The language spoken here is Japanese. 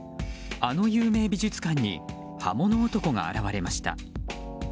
あの有名美術館に刃物男が現れました。